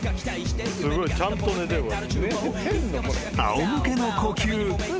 ［あおむけの呼吸］